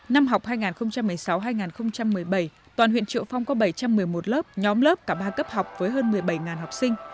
năm học hai nghìn một mươi sáu hai nghìn một mươi bảy toàn huyện triệu phong có bảy trăm một mươi một lớp nhóm lớp cả ba cấp học với hơn một mươi bảy học sinh